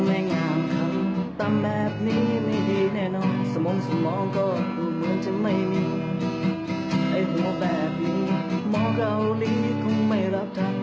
ไอ้หัวแบบนี้หมอเกาหลีคงไม่รับทัก